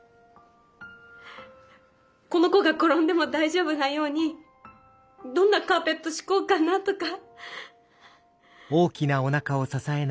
この子が転んでも大丈夫なようにどんなカーペット敷こうかなとか。